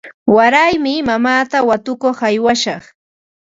Waraymi mamaata watukuq aywashaq.